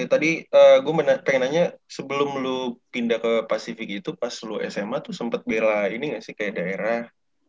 oke tadi gue pengen nanya sebelum lo pindah ke pasifik itu pas lo sma tuh sempet bela ini gak sih kayak daerah